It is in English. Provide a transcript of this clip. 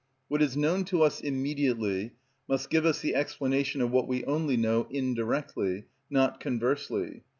What is known to us immediately must give us the explanation of what we only know indirectly, not conversely.